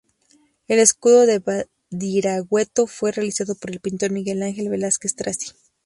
El escudo de Badiraguato fue realizado por el pintor Miguel Ángel Velázquez Tracy.